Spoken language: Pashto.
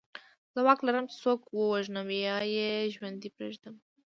زه واک لرم چې څوک ووژنم یا یې ژوندی پرېږدم